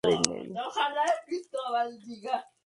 La capital es la ciudad de Kürdəmir.